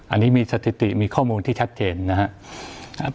อันนี้มีสถิติมีข้อมูลที่ชัดเจนนะครับ